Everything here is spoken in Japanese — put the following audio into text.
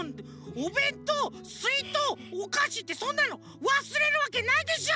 おべんとうすいとうおかしってそんなのわすれるわけないでしょ！